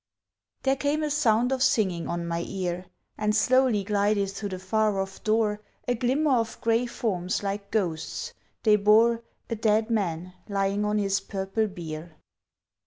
There came a sound of singing on my ear, And slowly glided through the far off door A glimmer of grey forms like ghosts, they bore A dead man lying on his purple bier.